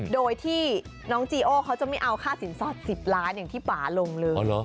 โดยที่น้องจีโอเขาจะไม่เอาค่าสินสอด๑๐ล้านอย่างที่ป่าลงเลย